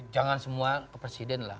jangan semua ke presiden lah